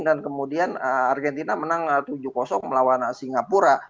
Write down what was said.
dan kemudian argentina menang tujuh melawan singapura